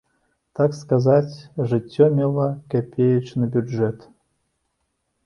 Так сказаць, жыццё мела капеечны бюджэт.